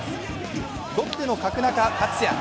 ロッテの角中勝也。